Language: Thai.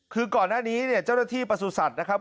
คือก่อนหน้านี้เนี่ยเจ้าหน้าที่ประสุทธิ์นะครับ